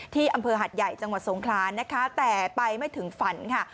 ที่อำเภอหัดใหญ่จังหวัดสงครานนะคะแต่ไปไม่ถึงฝันค่ะ